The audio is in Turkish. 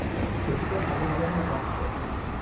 Köpekler havlamalarını azalttılar.